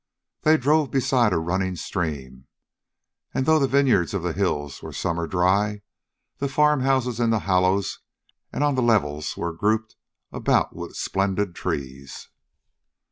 They drove beside a running stream, and, though the vineyards on the hills were summer dry, the farmhouses in the hollows and on the levels were grouped about with splendid trees.